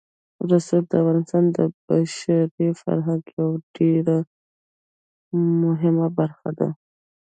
رسوب د افغانستان د بشري فرهنګ یوه ډېره مهمه برخه ده.